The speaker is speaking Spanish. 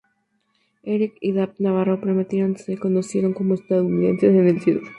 Eric y Dave Navarro primero se conocieron como estudiantes en el St.